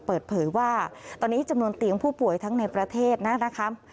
เปิดเผยว่าตอนนี้จำนวนเตียงผู้ป่วยทั้งในประเทศนะครับ